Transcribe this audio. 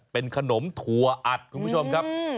เป็นขนมถั่วอัดคุณผู้ชมครับ